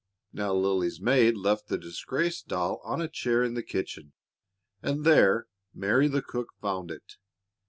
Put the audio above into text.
Now Lily's maid left the disgraced doll on a chair in the kitchen, and there Mary the cook found it.